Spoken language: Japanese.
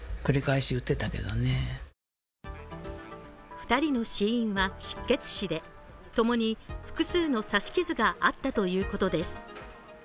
２人の死因は失血死で共に複数の刺し傷があったということです。